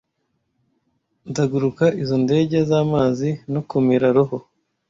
Ndaguruka izo ndege zamazi no kumira roho,